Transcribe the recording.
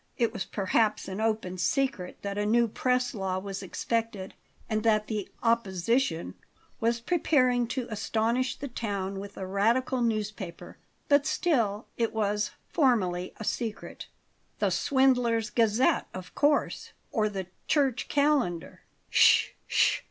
It was perhaps an open secret that a new press law was expected and that the Opposition was preparing to astonish the town with a radical newspaper; but still it was, formally, a secret. "The Swindlers' Gazette, of course, or the Church Calendar." "Sh sh!